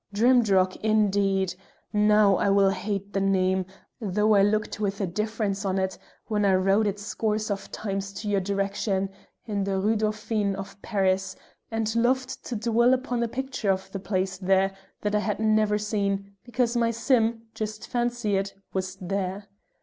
Drimdarroch, indeed! Now I will hate the name, though I looked with a difference on it when I wrote it scores of times to your direction in the Rue Dauphine of Paris, and loved to dwell upon a picture of the place there that I had never seen, because my Sim (just fancy it!) was there.